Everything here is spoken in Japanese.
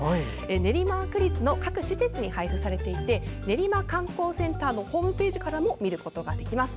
練馬区立の各施設に配布されていてねりま観光センターのホームページからも見ることができます。